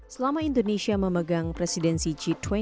selama indonesia memegang presidensi g dua puluh